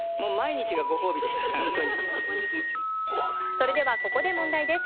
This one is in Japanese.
それでは、ここで問題です。